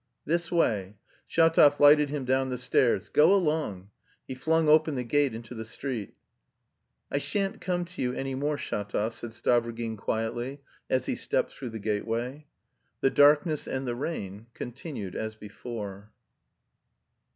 "This way." Shatov lighted him down the stairs. "Go along." He flung open the gate into the street. "I shan't come to you any more, Shatov," said Stavrogin quietly as he stepped through the gateway. The darkness and the rain continued as before.